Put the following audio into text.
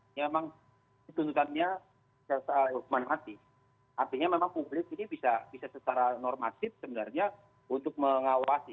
ini memang dituntutannya secara hukuman mati artinya memang publik ini bisa secara normatif sebenarnya untuk mengawasi